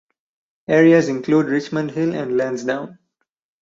Areas include Richmond Hill and Lansdowne.